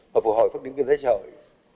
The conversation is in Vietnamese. vừa phục hồi phát triển kinh tế trò hội